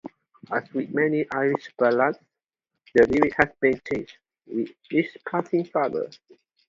As with many Irish ballads, the lyrics have been changed with each passing cover.